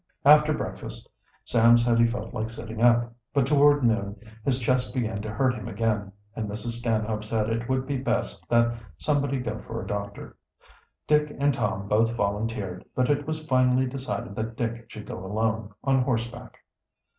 After breakfast Sam said he felt like sitting up, but toward noon his chest began to hurt him again, and Mrs. Stanhope said it would be best that somebody go for a doctor. Dick and Tom both volunteered, but it was finally decided that Dick should go alone, on horseback.